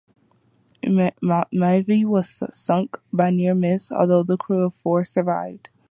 "Mavie" was sunk by a near miss, although the crew of four survived.